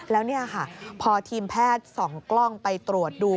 แล้วนี่ค่ะพอทีมแพทย์ส่องกล้องไปตรวจดู